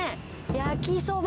焼きそば。